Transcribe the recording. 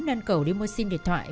nên cầu đi mua xin điện thoại